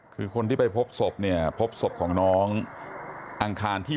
คือคนที่ไปพบศพเนี่ยพบศพของน้องอังคารที่